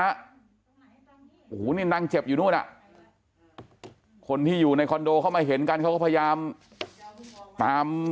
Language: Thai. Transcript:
โอ้โหนี่นั่งเจ็บอยู่นู่นอ่ะคนที่อยู่ในคอนโดเข้ามาเห็นกันเขาก็พยายามตาม